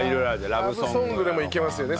ラブソングでもいけますよね。